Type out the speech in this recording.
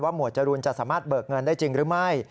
หวดจรูนจะสามารถเบิกเงินได้จริงหรือไม่